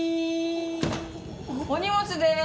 ・お荷物です。